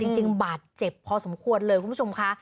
จริงบาดเจ็บพอสมควรเลยคุณผู้ชมค่ะ